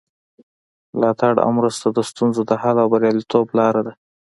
ملاتړ او مرسته د ستونزو د حل او بریالیتوب لاره ده.